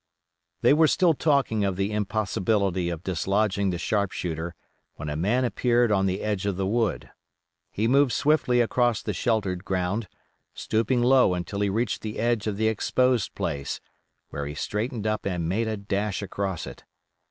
They were still talking of the impossibility of dislodging the sharp shooter when a man appeared on the edge of the wood. He moved swiftly across the sheltered ground, stooping low until he reached the edge of the exposed place, where he straightened up and made a dash across it.